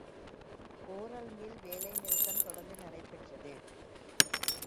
கோரல் Mill வேலை நிறுத்தம் தொடர்ந்து நடைபெற்றது.